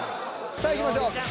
さあいきましょう。